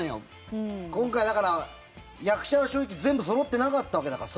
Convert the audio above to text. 今回、だから役者は、正直、全部そろっていなかったわけだから。